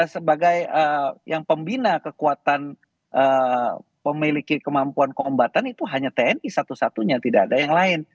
sebagai yang pembina kekuatan pemilik kemampuan kombatan itu hanya tni satu satunya tidak ada yang lain